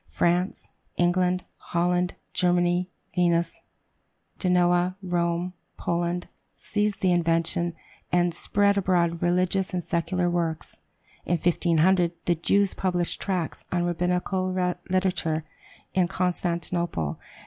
France, England, Holland, Germany, Venice, Genoa, Rome, Poland, seized the invention, and spread abroad religious and secular works. In 1500 the Jews published tracts on Rabbinical literature in Constantinople.